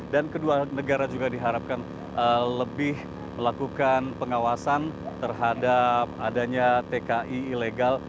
dan kedua negara juga diharapkan lebih melakukan pengawasan terhadap adanya tki ilegal